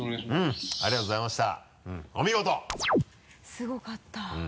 すごかった。